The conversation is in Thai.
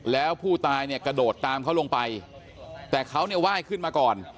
แล้วผู้ตายเนี่ยกระโดดตามเขาลงไปแต่เขาเนี่ยไหว้ขึ้นมาก่อน